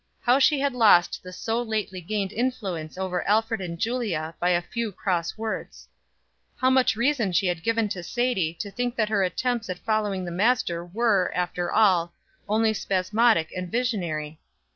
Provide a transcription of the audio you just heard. How she had lost the so lately gained influence over Alfred and Julia by a few cross words! How much reason she had given Sadie to think that her attempts at following the Master were, after all, only spasmodic and visionary!